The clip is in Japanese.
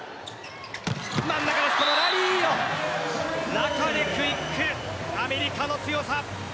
中でクイック、アメリカの強さ。